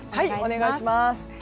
お願いします。